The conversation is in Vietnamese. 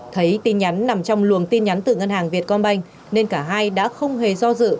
thấy tin nhắn nằm trong luồng tin nhắn từ ngân hàng vietcombank nên cả hai đã không hề do dự